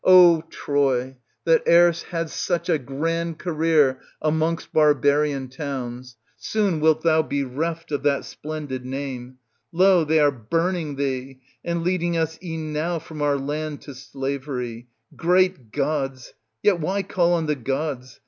O Troy, that erst hadst such a grand career amongst barbarian towns, soon wilt thou be reft of that splendid name. Lo ! they are burning thee, and leading us e'en now from our land to slavery. Great gods ! Yet why call on the gods